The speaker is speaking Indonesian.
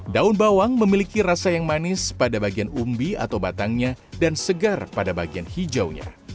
daun bawang memiliki rasa yang manis pada bagian umbi atau batangnya dan segar pada bagian hijaunya